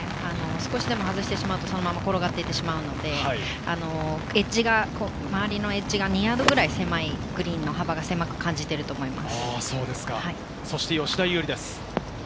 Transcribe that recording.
少しでも外すと、そのまま転がっていってしまうので、周りのエッジが２ヤードくらいグリーンの幅が狭く感じていると思います。